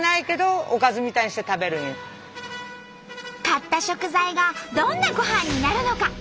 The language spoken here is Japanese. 買った食材がどんなごはんになるのか？